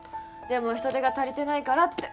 でも人手が足りてないからって